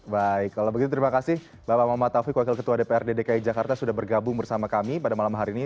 baik kalau begitu terima kasih bapak muhammad taufik wakil ketua dprd dki jakarta sudah bergabung bersama kami pada malam hari ini